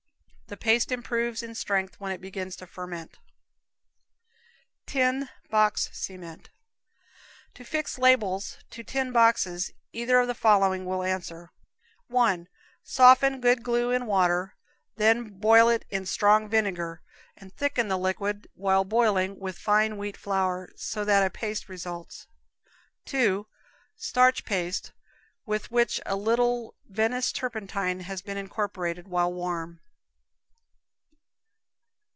The paste improves in strength when it begins to ferment. Tin Box Cement. To fix labels to tin boxes either of the following will answer: 1. Soften good glue in water, then boil it in strong vinegar, and thicken the liquid while boiling with fine wheat flour, so that a paste results. 2. Starch paste, with which a little Venice turpentine has been incorporated while warm.